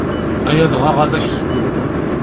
Ay adɣaɣ ad ak-ḥkuɣ.